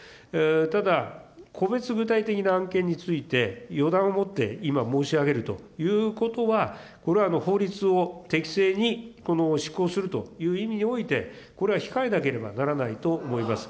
ただ、個別具体的な案件について、予断をもって、今申し上げるということは、これは法律を適正に施行するという意味において、これは控えなければならないと思います。